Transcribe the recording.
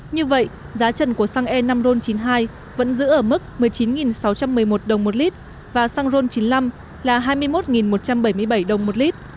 như vậy giá trần của xăng e năm ron chín mươi hai vẫn giữ ở mức một mươi chín sáu trăm một mươi một đồng một lít và xăng ron chín mươi năm là hai mươi một một trăm bảy mươi bảy đồng một lít